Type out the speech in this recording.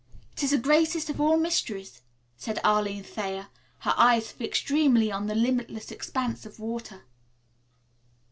"It is the greatest of all mysteries," said Arline Thayer, her eyes fixed dreamily on the limitless expanse of water.